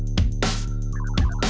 di video selanjutnya